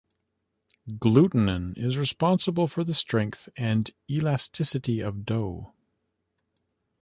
Glutenin is responsible for the strength and elasticity of dough.